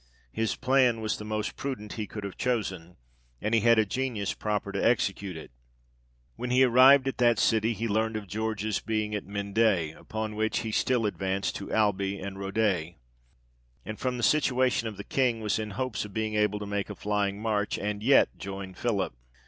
His plan was the most prudent he could have chosen, and he had a genius proper to execute it. When he arrived at that city, he learnt of George's being at Mende, upon which, he still advanced to Alby and Rodez, and from the situation of the King, was in hopes of being able to make a flying march, and yet join Philip.